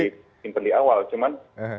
jadi kita di intendi awal cuman